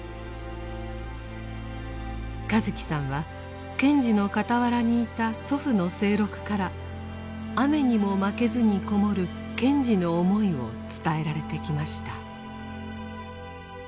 和樹さんは賢治の傍らにいた祖父の清六から「雨ニモマケズ」に籠もる賢治の思いを伝えられてきました。